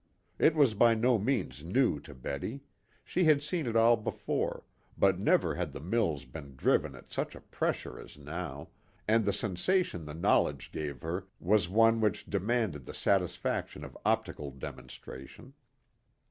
It was by no means new to Betty; she had seen it all before, but never had the mills been driven at such a pressure as now, and the sensation the knowledge gave her was one which demanded the satisfaction of optical demonstration.